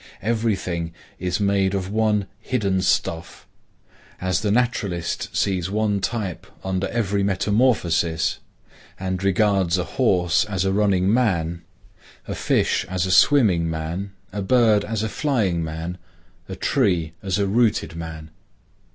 Every thing is made of one hidden stuff; as the naturalist sees one type under every metamorphosis, and regards a horse as a running man, a fish as a swimming man, a bird as a flying man, a tree as a rooted man.